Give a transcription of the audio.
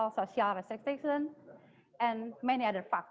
sebagian besar dari pilihan penghantaran